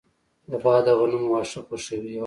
غوا د غنمو واښه خوښوي.